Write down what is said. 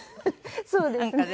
そうですね。